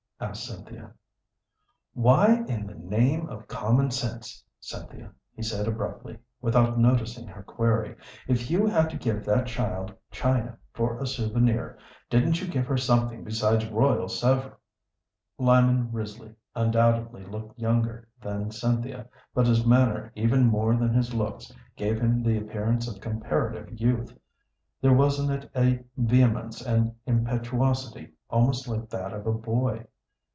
asked Cynthia. "Why in the name of common sense, Cynthia," he said, abruptly, without noticing her query, "if you had to give that child china for a souvenir, didn't you give her something besides Royal Sèvres?" Lyman Risley undoubtedly looked younger than Cynthia, but his manner even more than his looks gave him the appearance of comparative youth. There was in it a vehemence and impetuosity almost like that of a boy.